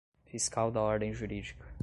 fiscal da ordem jurídica.